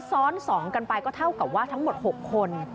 ซ้อน๒กันไปก็เท่ากับว่าทั้งหมด๖คน